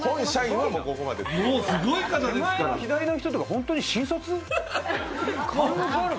前の左の方とか本当に新卒？